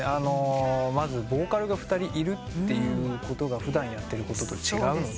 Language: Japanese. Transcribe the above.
まずボーカルが２人いることが普段やってることと違うので。